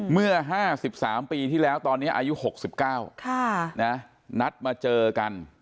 เมื่อ๕๓ปีที่แล้วตอนนี้อายุ๖๙นัดมาเจอกัน